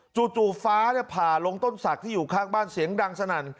จู่ฟ้าผ่าลงต้นศักดิ์ที่อยู่ข้างบ้านเสียงดังสนั่น